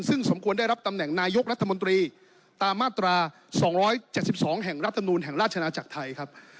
ซึ่งสมควรได้รับตำแหน่งนายกรัฐมนตรีตามมาตรา๒๗๒แห่งรัฐธรรมนูลแห่งราชนาจักรไทยครับ